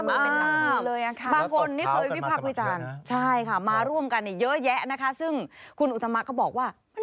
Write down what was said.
ไม่ได้ไปดูดอะไรมากมาย